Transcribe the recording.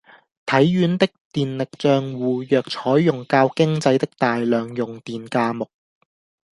體院的電力帳戶若採用較經濟的大量用電價目